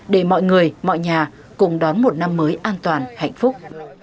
để mọi người mọi nhà cùng đón một năm mới an toàn hạnh phúc